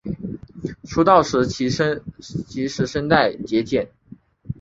出道时其实声带结茧。